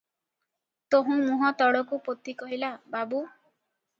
ତହୁଁ ମୁହଁ ତଳକୁ ପୋତି କହିଲା- "ବାବୁ!